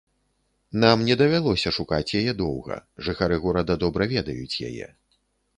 Нам не давялося шукаць яе доўга, жыхары горада добра ведаюць яе.